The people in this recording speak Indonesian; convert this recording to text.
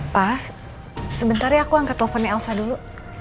pas sebentar ya aku angkat teleponnya elsa dulu